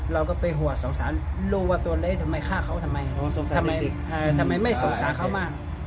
เราก็ไปหัวสงสารลูกว่าตัวเล็กทำไมฆ่าเขาทำไมทำไมไม่สงสารเขามาก